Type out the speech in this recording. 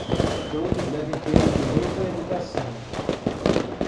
Todos devem ter o direito à educação.